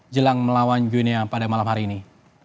jelang melawan dunia pada malam hari ini